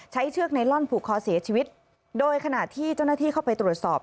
เชือกไนลอนผูกคอเสียชีวิตโดยขณะที่เจ้าหน้าที่เข้าไปตรวจสอบ